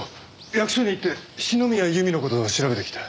役所に行って篠宮由美の事を調べてきた。